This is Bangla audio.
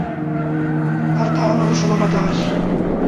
আর তা হল অশুভ বাতাস।